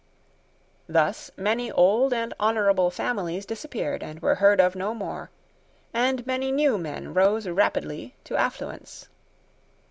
Thus many old and honourable families disappeared and were heard of no more; and many new men rose rapidly to affluence.